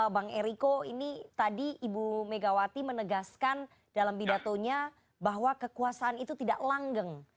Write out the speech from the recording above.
bang eriko ini tadi ibu megawati menegaskan dalam pidatonya bahwa kekuasaan itu tidak langgeng